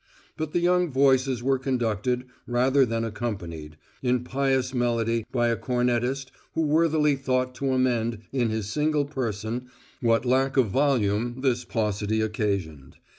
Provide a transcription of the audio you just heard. But the young voices were conducted, rather than accompanied, in pious melody by a cornetist who worthily thought to amend, in his single person, what lack of volume this paucity occasioned.